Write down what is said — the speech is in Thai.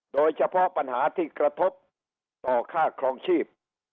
โดยเฉพาะปัญหาที่กระทบต่อค่าครองชีพ